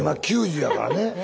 今９０やからね。